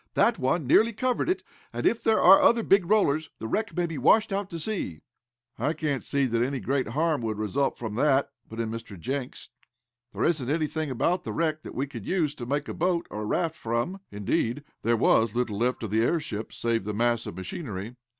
That one nearly covered it, and if there are other big rollers, the wreck may be washed out to sea." "I can't see that any great harm would result from that," put in Mr. Jenks. "There isn't anything about the wreck that we could use to make a boat or raft from." Indeed, there was little left of the airship, save the mass of machinery.